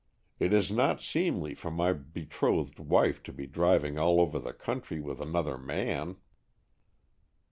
It is not seemly for my betrothed wife to be driving all over the country with another man."